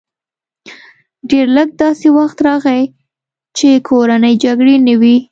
ډېر لږ داسې وخت راغی چې کورنۍ جګړې نه وې